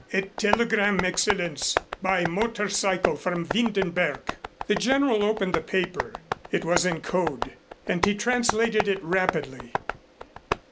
"A telegram, Excellenz, by motorcycle from Windenberg." The General opened the paper. It was in code and he translated it rapidly.